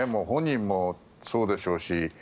本人もそうでしょうし。